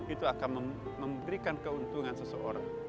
itu akan memberikan keuntungan seseorang